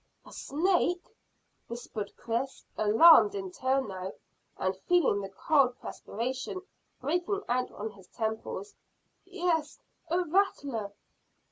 A snake?" whispered Chris, alarmed in turn now, and feeling the cold perspiration breaking out on his temples. "Yes a rattler."